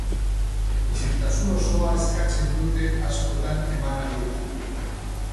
Isiltasun osoa eskatzen dute askotan emanaldietan.